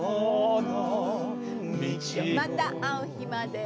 「またあう日まで」